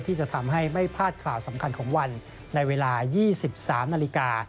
ที่จะทำให้ไม่พลาดข่าวสำคัญของวันในเวลา๒๓นาฬิกา